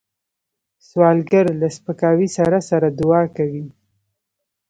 سوالګر له سپکاوي سره سره دعا کوي